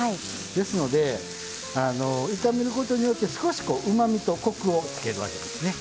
ですのであの炒めることによって少しこううまみとコクをつけるわけですね。